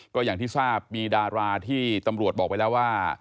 ก็อย่างที่ทราบมีดาราที่ตำรวจบอกไปแล้วว่า